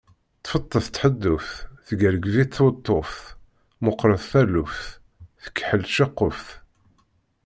Tfettet tḥedduft, teggergeb-itt tweṭṭuft, meqret taluft, tkeḥḥel tceqquft.